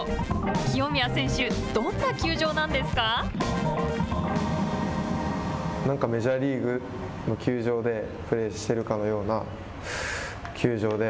清宮選手、なんかメジャーリーグの球場でプレーしてるかのような、球場で。